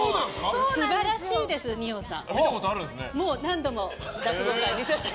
素晴らしいです、二葉さん。